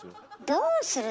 どうする？